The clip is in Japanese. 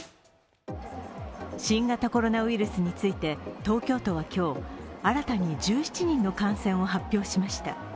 新型コロナウイルスについて、東京都は今日、新たに１７人の感染を発表しました。